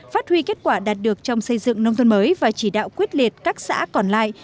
phát huy kết quả đạt được trong xây dựng nông thôn mới và chỉ đạo quyết liệt các xã còn lại